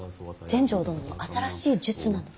全成殿の新しい術なの。